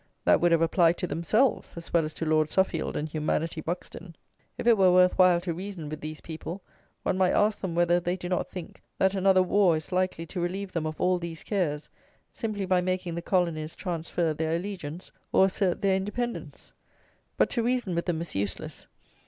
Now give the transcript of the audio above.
that would have applied to themselves, as well as to Lord Suffield and humanity Buxton. If it were worth while to reason with these people, one might ask them whether they do not think that another war is likely to relieve them of all these cares, simply by making the colonies transfer their allegiance or assert their independence? But to reason with them is useless.